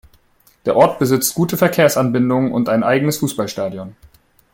Der Ort besitzt gute Verkehrsanbindungen und ein eigenes Fußballstadion.